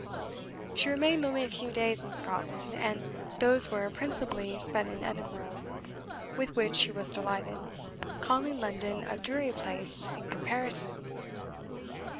She remained only a few days in Scotland, and those were principally spent in Edinburgh, with which she was delighted, calling London a "dreary place" in comparison.